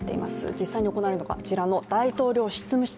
実際に行われるのがこちらの大統領執務室